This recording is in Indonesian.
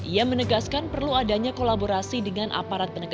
ia menegaskan perlu adanya kolaborasi dengan aparat penegak